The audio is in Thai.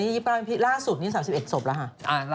นี่ร่าสุด๓๑สบแล้วอ่ะ